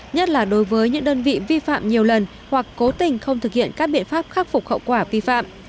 nhất là đối với những đơn vị vi phạm nhiều lần hoặc cố tình không thực hiện các biện pháp khắc phục hậu quả vi phạm